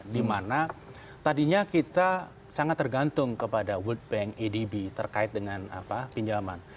dimana tadinya kita sangat tergantung kepada world bank adb terkait dengan pinjaman